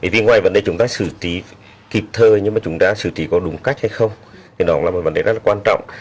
vì ngoài vấn đề chúng ta sự trí kịp thơi nhưng mà chúng ta sự trí có đúng cách hay không thì đó là một vấn đề rất quan trọng